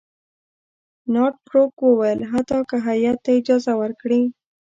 نارت بروک وویل حتی که هیات ته اجازه ورکړي.